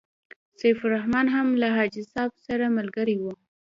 سیف الرحمن هم له حاجي صاحب سره ملګری وو.